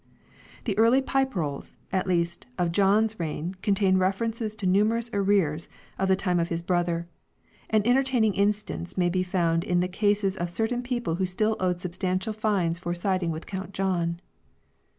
The early Pipe Rolls, at least, of John's reign con tain references to numerous arrears of the time of his brother ; an entertaining instance may be found in the cases of certain people who still owed substantial fines for siding with Count John.